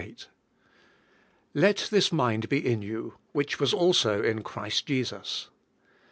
— ''Let this mind be in yotc which 7vas also in Christ Jestis